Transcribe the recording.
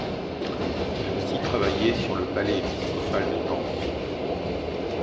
Il a aussi travaillé sur le palais épiscopal de Nantes.